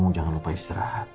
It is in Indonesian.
jangan lupa istirahat